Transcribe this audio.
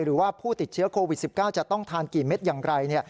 หรือว่าผู้ติดเชื้อโควิด๑๙จะต้องทานกี่เม็ดอย่างไร